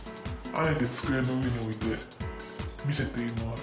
あえて机の上に置いて見せています。